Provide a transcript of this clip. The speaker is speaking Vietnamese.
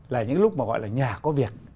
là những lúc mà gọi là nhà có việc